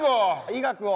医学を。